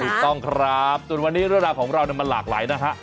ถูกต้องครับส่วนวันนี้เรื่องราวของเรามันหลากหลายนะฮะ